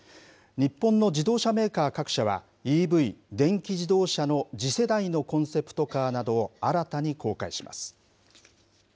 日本の自動車メーカー各社は、ＥＶ・電気自動車の次世代のコンセプトカーなどを新たに公開します。